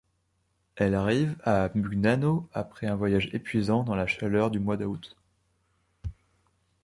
Elle arrive à Mugnano après un voyage épuisant dans la chaleur du mois d'août.